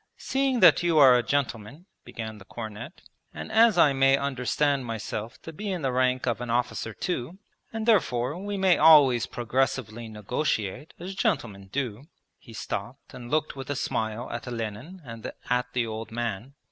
'Seeing that you are a gentleman,' began the cornet, 'and as I may understand myself to be in the rank of an officer too, and therefore we may always progressively negotiate, as gentlemen do.' (He stopped and looked with a smile at Olenin and at the old man.)